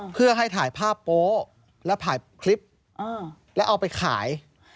เพื่อให้ถ่ายภาพโป๊ะแล้วถ่ายคลิปแล้วเอาไปขาย